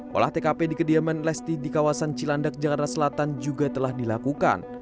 olah tkp di kediaman lesti di kawasan cilandak jakarta selatan juga telah dilakukan